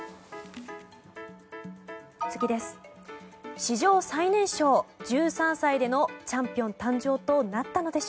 次です。